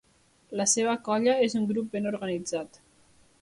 La seva colla és un grup ben organitzat.